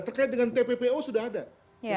terkait dengan tppo sudah ada